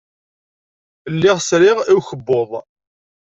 Lliɣ sriɣ i ukebbuḍ.